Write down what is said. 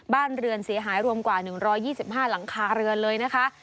บ้านเรือนเสียหายรวมกว่า๑๒๕หลังคาเรือนเลยนะคะ